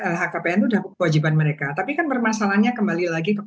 lhkpn itu sudah kewajiban mereka tapi kan permasalahannya kembali lagi ke